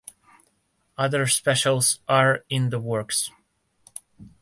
Other specials are in the works.